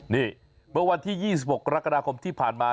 เมื่อวันที่๒๖รักษณะครมที่ผ่านมา